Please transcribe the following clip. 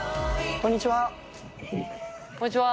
こんにちは。